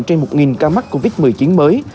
trên một ca mắc covid một mươi chín mới